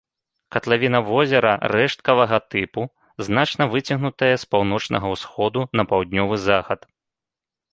Катлавіна возера рэшткавага тыпу, значна выцягнутая з паўночнага ўсходу на паўднёвы захад.